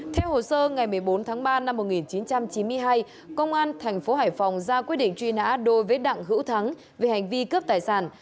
theo hồ sơ ngày một mươi bốn tháng ba năm một nghìn chín trăm chín mươi hai công an thành phố hải phòng ra quyết định truy nã đối với đặng hữu thắng về hành vi cướp tài sản